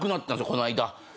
この間。